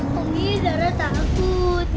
mami zara takut